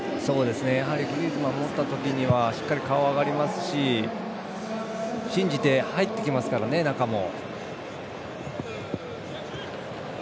やはりグリーズマン持った時にはしっかり顔、上がりますし信じて、入ってきますから、中も。